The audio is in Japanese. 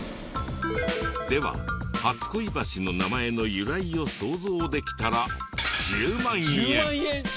でははつこい橋の名前の由来を想像できたら１０万円！